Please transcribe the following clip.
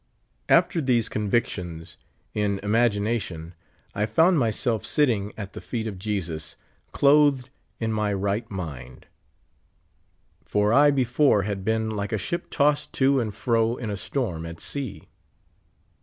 After these convictions, in imagination I found myself sitting at the feet of Jesus, clothed in my right mind. For I before had been like a ship tossed to and fro in a storm at sea.